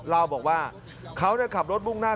เล่าบอกว่าเขาขับรถมุ่งหน้า